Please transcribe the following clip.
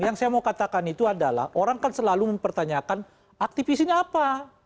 yang saya mau katakan itu adalah orang kan selalu mempertanyakan aktivisnya apa